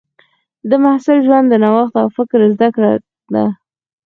د محصل ژوند د نوښت او فکر زده کړه ده.